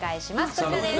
こちらです。